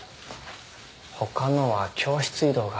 他のは教室移動が。